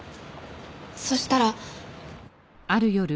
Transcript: そしたら。